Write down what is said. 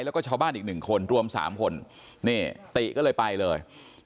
แล้วก็ชาวบ้านอีกหนึ่งคนรวม๓คนนี่ติก็เลยไปเลย